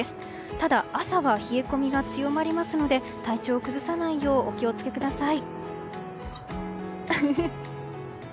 ただ朝は冷え込みが強まりますので体調を崩さないようお気を付けください。